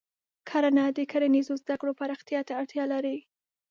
کرنه د کرنیزو زده کړو پراختیا ته اړتیا لري.